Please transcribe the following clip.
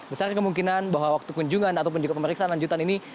besar kemungkinan bahwa waktu kunjungan ataupun juga pemeriksaan lanjutan ini